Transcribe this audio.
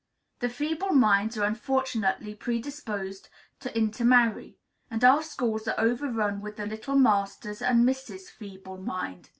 The Feeble Minds are unfortunately predisposed to intermarry; and our schools are overrun with the little Masters and Misses Feeble Mind.